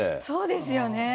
そうですよね。